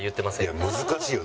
いや難しいよ。